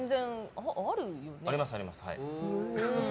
あります、あります。